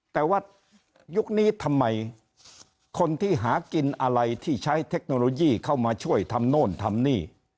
แต่ว่ายุคนี้ทำไมคนที่หากินอะไรที่ใช้เทคโนโลยีเข้ามาช่วยทำโน่นทำนี่